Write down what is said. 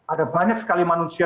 ada banyak sekali manusia